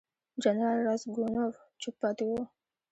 جنرال راسګونوف چوپ پاتې وو.